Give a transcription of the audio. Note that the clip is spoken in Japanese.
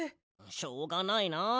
しょうがないな。